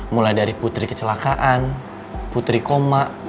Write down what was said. mulai dari putri kecelakaan putri koma